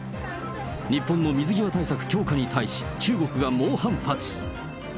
日本の水際対策強化に対し、中国が猛反発。